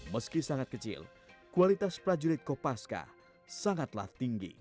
meski sangat kecil kualitas prajurit kopaska sangatlah tinggi